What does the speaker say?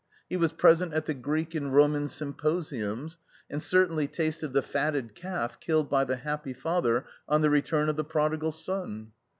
He was present at the Greek and Roman symposiums, and certainly tasted the fatted calf killed by the happy father on the return of the Prodigal Son.